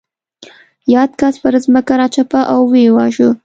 یاد کس پر ځمکه راچپه او ویې واژه.